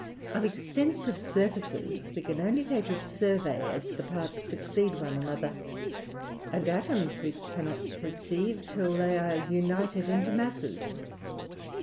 Of extensive surfaces we can only take a survey, as the parts succeed one another; and atoms we cannot tS4 THE RAMBLER. perceive till they are united into masses.